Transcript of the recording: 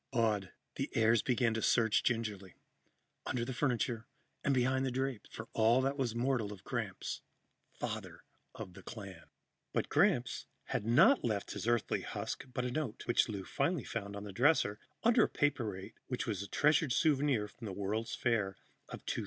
Awed, the heirs began to search gingerly, under the furniture and behind the drapes, for all that was mortal of Gramps, father of the clan. But Gramps had left not his Earthly husk but a note, which Lou finally found on the dresser, under a paperweight which was a treasured souvenir from the World's Fair of 2000.